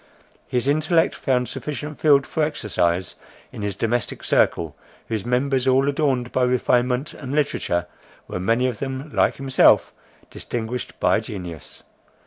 His intellect found sufficient field for exercise in his domestic circle, whose members, all adorned by refinement and literature, were many of them, like himself, distinguished by genius.